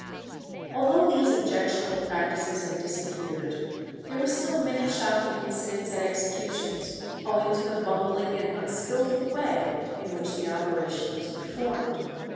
Although these objectionable practices had disappeared, there were still many shocking incidents at executions, owing to the bungling and unskilful way in which the operation was performed.